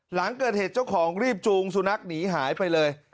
หลังเกิดเหตุเจ้าของรีบจูงสุนัขหนีหายไปเลย